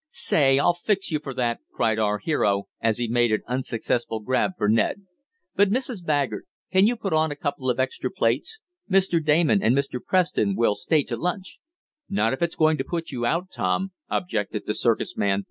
"Say, I'll fix you for that!" cried our hero, as he made an unsuccessful grab for Ned. "But, Mrs. Baggert, can you put on a couple of extra plates? Mr. Damon and Mr. Preston will stay to lunch." "Not if it's going to put you out, Tom," objected the circus man.